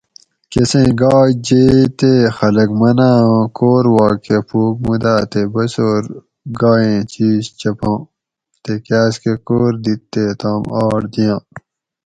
کۤسیں گائے جیئے تے خلق مناۤں اُوں کور واکہ پُھوک مُو داۤ نہ تے بسور گائیں چِیش چپاں تے کاۤس کہ کور دِیت تے تام آٹ دیاۤں